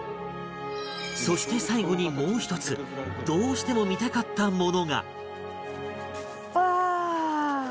そして最後にもう一つどうしても見たかったものが